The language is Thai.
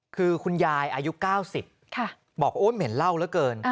คือคุณยายอายุ๙๐บอกโอ๊ยเหม็นเหล้าเหลือเกิน